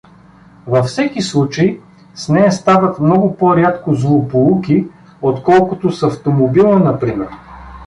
Във всеки случай с нея стават много по-рядко злополуки, отколкото с автомобила например.